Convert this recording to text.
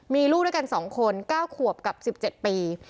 มีลูกด้วยกัน๒คน๙ขวบกับ๑๗ปี